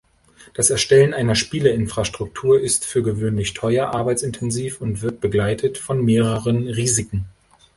Das Erstellen einer Spieleinfrastruktur ist für gewöhnlich teuer, arbeitsintensiv und wird begleitet von mehreren Risiken.